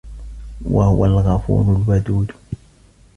وَهُوَ الغَفورُ الوَدودُ